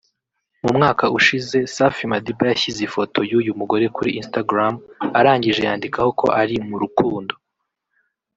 mu mwaka ushize Safi Madiba yashyize ifoto y’uyu mugore kuri Instagram arangije yandikaho ko ari mu rukundo